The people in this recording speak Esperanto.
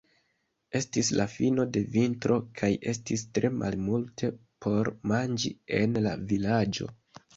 Estis la fino de vintro kaj estis tre malmulte por manĝi en la vilaĝo.